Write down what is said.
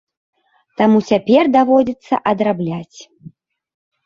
Таму цяпер даводзіцца адрабляць.